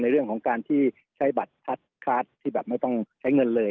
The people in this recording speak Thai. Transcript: เรื่องของการที่ใช้บัตรคาร์ดที่แบบไม่ต้องใช้เงินเลย